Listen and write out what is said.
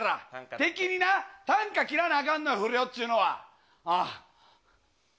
敵にな、たんか切らなあかんの、不良っちゅうのは。